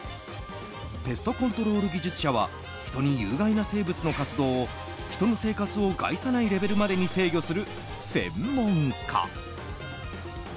ペストコントロール技術者は人に有害な生物の活動を人の生活を害さないレベルまでに制御する専門家。